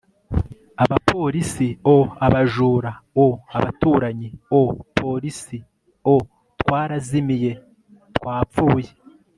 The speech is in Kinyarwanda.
abapolisi-o! abajura-o! abaturanyi-o! polisi-o! twarazimiye! twapfuye